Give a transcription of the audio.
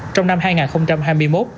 trong năm hai nghìn hai mươi một